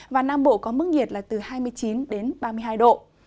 và nam bộ có mức nhiệt là từ hai mươi chín đến ba mươi hai độ